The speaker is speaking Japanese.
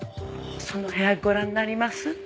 その部屋ご覧になります？